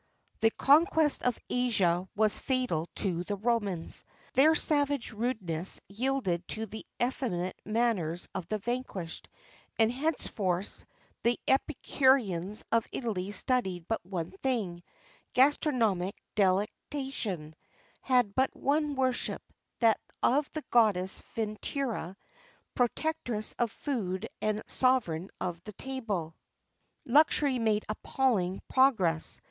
[XXX 15] The conquest of Asia was fatal to the Romans. Their savage rudeness yielded to the effeminate manners of the vanquished; and henceforth, the epicureans of Italy studied but one thing gastronomic delectation; had but one worship that of the goddess Victua,[XXX 16] protectress of food, and sovereign of the table. Luxury made appalling progress.